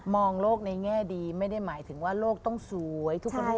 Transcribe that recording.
องโลกในแง่ดีไม่ได้หมายถึงว่าโลกต้องสวยทุกคน